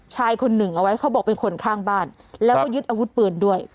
ชายคนหนึ่งเอาไว้เขาบอกเป็นคนข้างบ้านแล้วก็ยึดอาวุธปืนด้วย